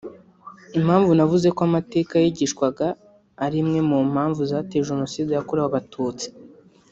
Impanvu navuze ko amateka yigishwagaga ari imwe mu mpanvu zateye Jenoside yakorewe Abatutsi